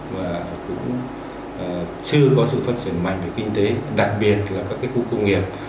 và cũng chưa có sự phát triển mạnh về kinh tế đặc biệt là các khu công nghiệp